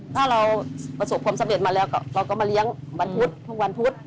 ถ้าเราประสบความสำเร็จมาแล้วก็เราก็มาเลี้ยงวันพุธทั้งวันพุธ